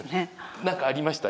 何かありました？